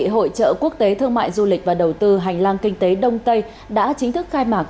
hội trợ quốc tế thương mại du lịch và đầu tư hành lang kinh tế đông tây đã chính thức khai mạc